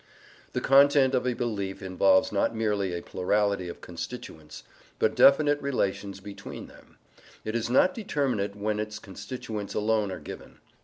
The content of a belief involves not merely a plurality of constituents, but definite relations between them; it is not determinate when its constituents alone are given.